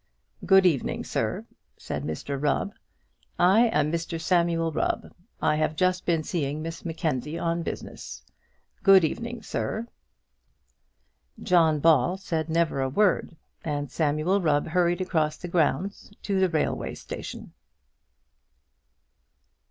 "Good evening, sir," said Mr Rubb. "I am Mr Samuel Rubb. I have just been seeing Miss Mackenzie, on business. Good evening, sir." John Ball said never a word, and Samuel Rubb hurried across the grounds to the railway station.